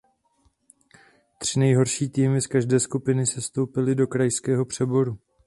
Tři nejhorší týmy z každé skupiny sestoupily do krajského přeboru.